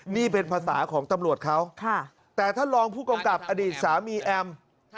นี่เป็นภาษาของตำรวจเขาแต่ท่านรองผู้กำกับอดีตสามีแอม